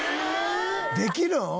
できるん？